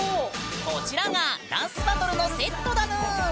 こちらがダンスバトルのセットだぬん！